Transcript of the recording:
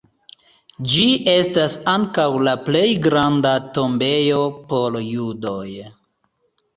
Ĝi estas ankaŭ la plej granda tombejo por judoj.